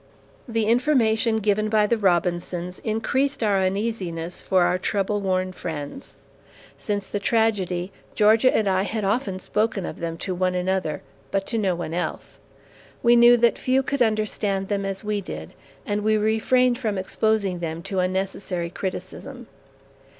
The information given by the Robinsons increased our uneasiness for our trouble worn friends. Since the tragedy, Georgia and I had often spoken of them to one another, but to no one else. We knew that few could understand them as we did, and we refrained from exposing them to unnecessary criticism.